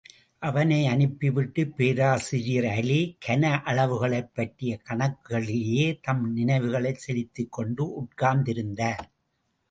அவனை அனுப்பிவிட்டுப் பேராசிரியர் அலி, கன அளவுகளைப்பற்றிய கணக்குகளிலேயே தம் நினைவுகளை செலுத்திக் கொண்டு உட்கார்ந்திருந்தார்.